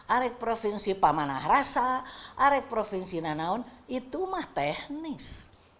arek provinsi pamanah rasa arek provinsi nanaun itu mah teknis